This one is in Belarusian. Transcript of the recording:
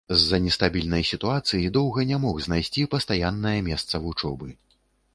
З-за нестабільнай сітуацыі доўга не мог знайсці пастаяннае месца вучобы.